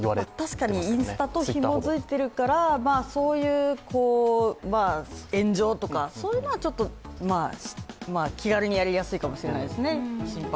確かにインスタとひもづいているから、炎上とか、そういうのはちょっと気軽に心配せずにやりやすいかもしれないですね。